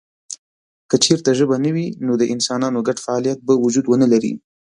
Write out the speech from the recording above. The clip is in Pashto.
که چېرته ژبه نه وي نو د انسانانو ګډ فعالیت به وجود ونه لري.